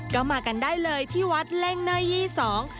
ก็มากันได้เลยที่วัดเล่งเนยยี่สอง